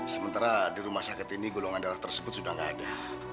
sementara di rumah sakit ini golongan darah tersebut sudah tidak ada